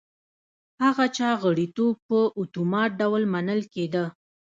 هغه چا غړیتوب په اتومات ډول منل کېده